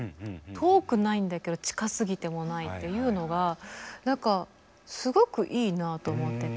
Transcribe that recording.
遠くないんだけど近すぎてもないっていうのが何かすごくいいなと思ってて。